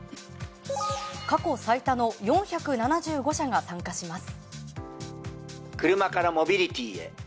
過去最多の４７５社が参加します。